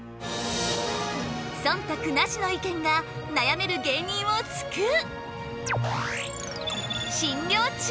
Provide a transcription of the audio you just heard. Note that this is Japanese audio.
そんたくなしの意見が悩める芸人を救う！